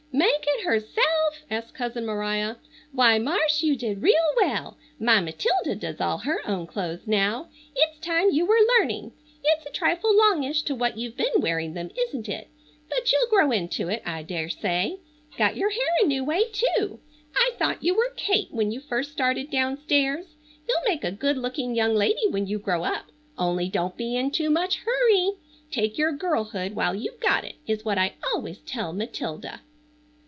"Make it herself?" asked cousin Maria. "Why, Marsh, you did real well. My Matilda does all her own clothes now. It's time you were learning. It's a trifle longish to what you've been wearing them, isn't it? But you'll grow into it, I dare say. Got your hair a new way too. I thought you were Kate when you first started down stairs. You'll make a good looking young lady when you grow up; only don't be in too much hurry. Take your girlhood while you've got it, is what I always tell Matilda."